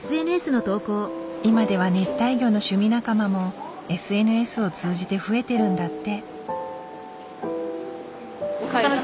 今では熱帯魚の趣味仲間もＳＮＳを通じて増えてるんだって。